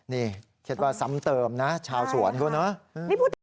นี่คิดว่าซ้ำเติมนะชาวสวนเขาเนอะ